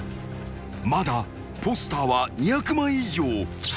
［まだポスターは２００枚以上］